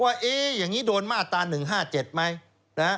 ว่าอย่างนี้โดนมาตรา๑๕๗ไหม